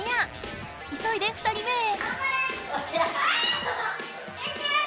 いそいで２人目へ！